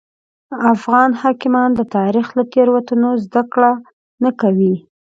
افغان حاکمان د تاریخ له تېروتنو زده کړه نه کوي.